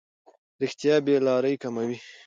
رښتیا بې لارۍ کموي.